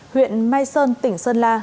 huyện mai sơn tỉnh sơn la